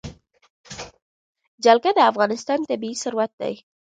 جلګه د افغانستان طبعي ثروت دی.